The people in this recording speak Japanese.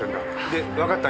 でわかった？